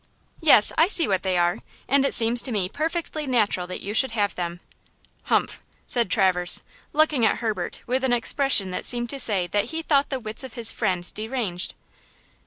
"Yes. I see what they are, and it seems to me perfectly natural that you should have them!" "Humph!" said Traverse, looking at Herbert with an expression that seemed to say that he thought the wits of his friend deranged.